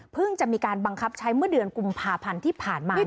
จะมีการบังคับใช้เมื่อเดือนกุมภาพันธ์ที่ผ่านมา